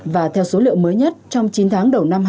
và theo số liệu mới nhất trong chín tháng đầu năm hai nghìn hai mươi